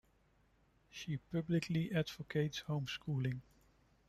She publicly advocates homeschooling.